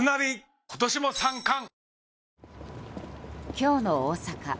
今日の大阪。